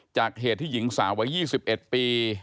จากเหตุที่หญิงสาววัย๒๑ปี